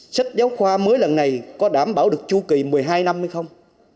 sách giáo khoa mới lần này có đảm bảo được chu kỳ một mươi hai năm hay không